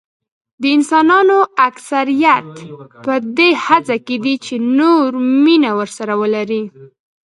د انسانانو اکثریت په دې هڅه کې دي چې نور مینه ورسره ولري.